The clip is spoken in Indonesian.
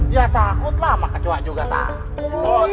ya takutlah sama kecoa juga takut